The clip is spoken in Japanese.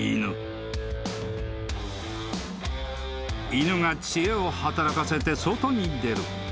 ［犬が知恵を働かせて外に出る］